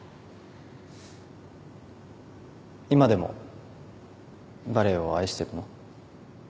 今でもバレエを愛してるの？